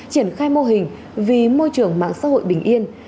triển khai mô hình vì môi trường mạng xã hội bình yên